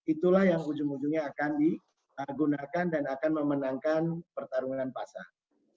itulah yang ujung ujungnya akan digunakan dan akan memenangkan pertarungan pasar